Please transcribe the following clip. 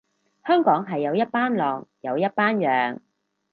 香港係有一班狼，有一班羊